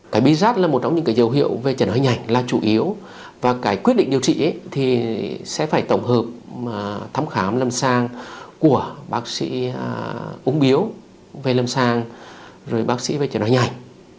cái virus là một trong những cái dấu hiệu về triển hóa hình ảnh là chủ yếu và cái quyết định điều trị thì sẽ phải tổng hợp thăm khám lâm sang của bác sĩ uống biếu về lâm sang rồi bác sĩ về triển hóa hình ảnh